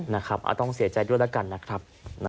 นะครับต้องเสียใจด้วยแล้วกันนะครับ